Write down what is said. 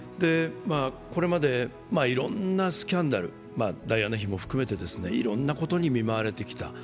これまでいろんなスキャンダル、ダイアナ妃も含めて、いろんなことに見舞われてきた。